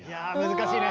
難しいね！